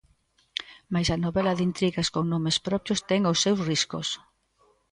Mais a novela de intrigas con nomes propios ten os seus riscos.